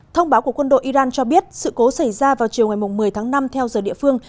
thông báo của quân đội iran cho biết sự cố xảy ra vào chiều ngày một mươi tháng năm theo giờ địa phương